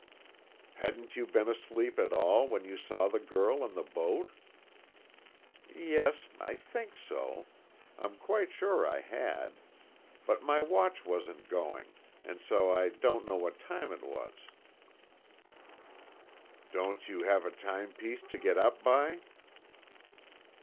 "Hadn't you been asleep at all, when you saw the girl and the boat?" "Yes, I think so. I'm quite sure I had. But my watch wasn't going, and so I don't know what time it was." "Don't you have a timepiece to get up by?"